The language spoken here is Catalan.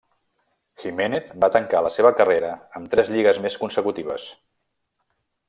Jiménez va tancar la seva carrera amb tres lligues més consecutives.